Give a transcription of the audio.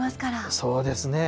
そうですね。